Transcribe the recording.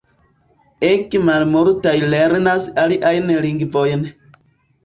Ege malmultaj lernas aliajn lingvojn.